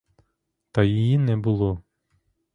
Та її не було.